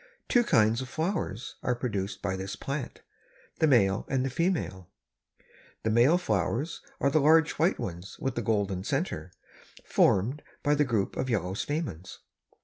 Two kinds of flowers are produced by this plant—the male and the female. The male flowers are the large white ones with a golden center formed by the group of yellow stamens.